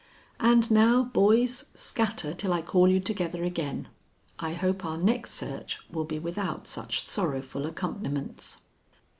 And now, boys, scatter till I call you together again. I hope our next search will be without such sorrowful accompaniments."